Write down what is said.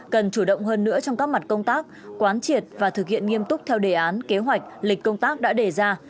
cần chủ động hơn nữa trong các mặt công tác quán triệt và thực hiện nghiêm túc theo đề án kế hoạch lịch công tác đã đề ra